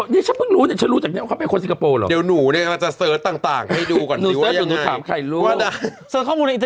เนี่ยฉันเพิ่งรู้แต่ฉันรู้จากเนี่ยว่าเขาเป็นคนสิงคโปร์หรอ